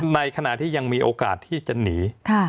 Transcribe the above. ในขณะที่ยังมีโอกาสที่จะหนี